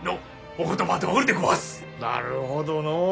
なるほどのう。